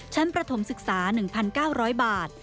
ประถมศึกษา๑๙๐๐บาท